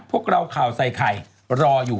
พวกเราข่าวใส่ไข่รออยู่